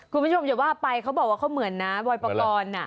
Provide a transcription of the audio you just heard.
คุณผู้ชมอย่าว่าไปเขาบอกว่าเขาเหมือนนะบอยปกรณ์